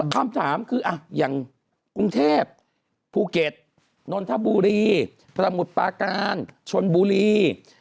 คำถามคืออย่างกรุงเทพภูเก็ตนนทบุรีสมุทรปาการชนบุรี